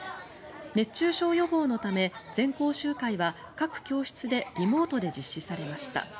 熱中症予防のため全校集会は各教室でリモートで実施されました。